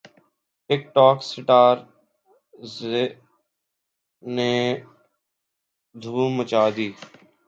ٹک ٹوک سٹارز نے دھوم مچا دی